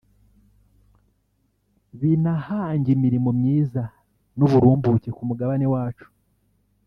binahange imirimo myiza n’uburumbuke ku mugabane wacu